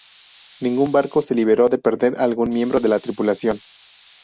Ningún barco se libró de perder a algún miembro de la tripulación.